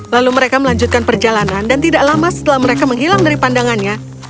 lalu mereka melanjutkan perjalanan dan tidak lama setelah mereka menghilang dari pandangannya